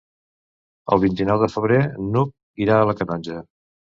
El vint-i-nou de febrer n'Hug irà a la Canonja.